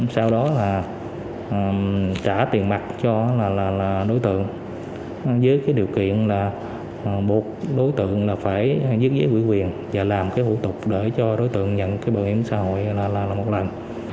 sau đó là trả tiền mặt cho đối tượng với điều kiện là buộc đối tượng phải dứt giấy quỹ quyền và làm hữu tục để cho đối tượng nhận bảo hiểm xã hội là một lần